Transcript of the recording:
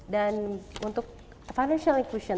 dan untuk financial inclusion